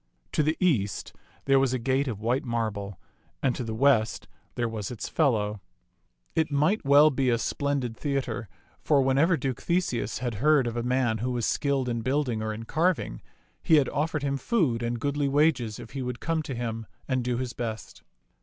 To the east there was a gate of white marble, and to the west there was its fellow. It might well be a splendid theatre, for whenever Duke Theseus had heard of a man who was skilled in building or in carving, he had offered him food and goodly wages if he would come to him and do his best.